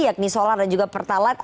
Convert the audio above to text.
yakni solar dan juga pertalat